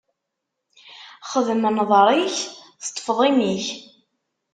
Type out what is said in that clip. Xedm nnḍeṛ-ik, teṭṭefḍ imi-k!